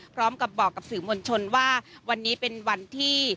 พร้อมกับบอกกับสื่อมวลชนว่าวันนี้เป็นวันที่